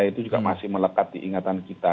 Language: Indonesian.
itu juga masih melekat diingatan kita